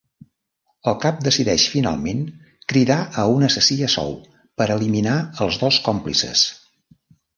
El cap decideix finalment cridar a un assassí a sou per eliminar els dos còmplices.